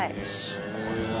すごいね。